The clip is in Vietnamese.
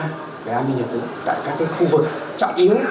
nắp các camera để an ninh nhật tự tại các khu vực trọng yếu